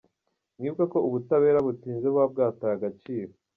Mwibuke ko ubutabera butinze buba bwataye agaciro.